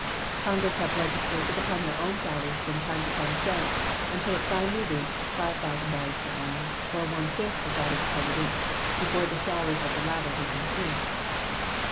Congress have legislated upon their own salaries from time to time since, until finally it reached $5,000 per annum, or one fifth that of the President, before the salary of the latter was increased.